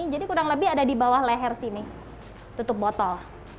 jadi kurang lebih ada di bawah leher sini tutup botol